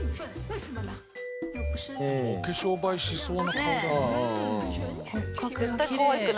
お化粧映えしそうな顔だな。